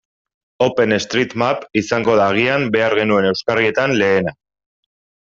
OpenStreetMap izango da agian behar genuen euskarrietan lehena.